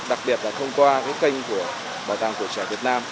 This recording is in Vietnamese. đặc biệt là thông qua cái kênh của bảo tàng của trẻ việt nam